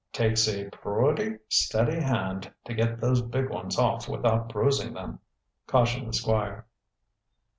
"Takes a pru uty steady hand to get those big ones off without bruising them," cautioned the squire.